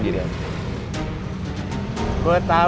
terima kasih papa